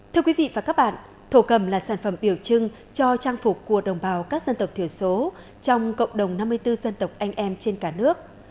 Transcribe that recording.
thưa quý vị và các bạn thổ cầm là sản phẩm biểu trưng cho trang phục của đồng bào các dân tộc thiểu số trong cộng đồng năm mươi bốn dân tộc anh em trên cả nước